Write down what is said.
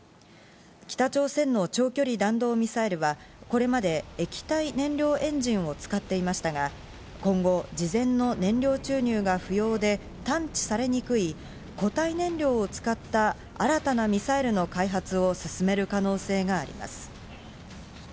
北朝鮮の長距離弾道ミサイルは、これまで液体燃料エンジンを使っていましたが、今後、事前の燃料注入が不要で、探知されにくい固体燃料を使った新たなミサイルの開発を進める可能性があります。